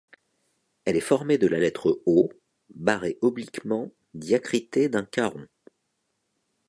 Elle est formée de la lettre O barré obliquement diacritée d’un caron.